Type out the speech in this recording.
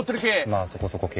まあそこそこ系。